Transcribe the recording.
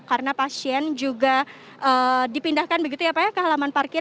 karena pasien juga dipindahkan begitu ya pak ya ke halaman parkir